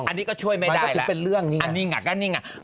อันนี้ก็ช่วยไม่ได้แล้วมันก็คือเป็นเรื่องนี่ไงอันนี้ไงก็นี่ไง